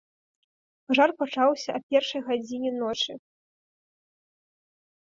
Пажар пачаўся а першай гадзіне ночы.